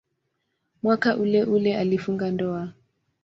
Mwaka uleule alifunga ndoa.